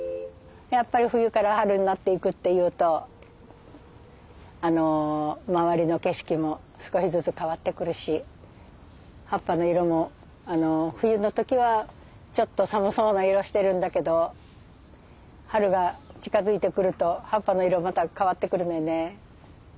やっぱり冬から春になっていくっていうとあの周りの景色も少しずつ変わってくるし葉っぱの色も冬の時はちょっと寒そうな色してるんだけど春が近づいてくると葉っぱの色また変わってくるのよね。